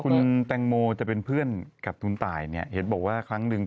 คุณแตงโมจะเป็นเพื่อนกับคุณตายเนี่ยเห็นบอกว่าครั้งหนึ่ง